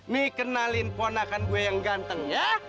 nih kenalin ponakan gue yang ganteng ya